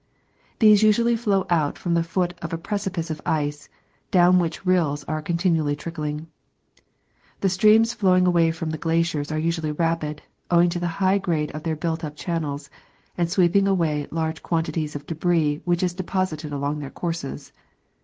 These usually flow out from the foot of a precipice of ice, down which rills are continually trickling. The streams flowing away from the glaciers are usually rapid, owing to the high grade of their built up channels, and sweep away large quantities of debris which is deposited along their courses.